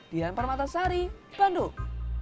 dan para matasari bandung